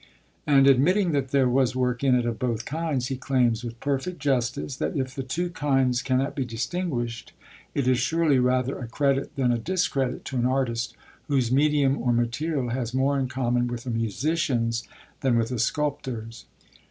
And, admitting that there was work in it of both kinds, he claims, with perfect justice, that 'if the two kinds cannot be distinguished, it is surely rather a credit than a discredit to an artist whose medium or material has more in common with a musician's than with a sculptor's.'